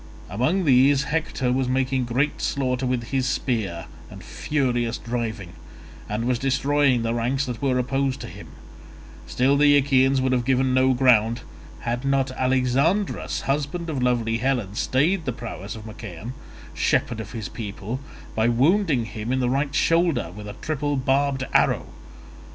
Among these Hector was making great slaughter with his spear and furious driving, and was destroying the ranks that were opposed to him; still the Achaeans would have given no ground, had not Alexandrus husband of lovely Helen stayed the prowess of Machaon, shepherd of his people, by wounding him in the right shoulder with a triple barbed arrow.